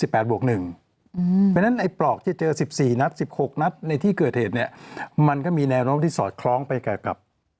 เพราะฉะนั้นไอ้ปลอกที่เจอ๑๔นัด๑๖นัดในที่เกิดเหตุเนี่ยมันก็มีแนวโน้มที่สอดคล้องไปกับ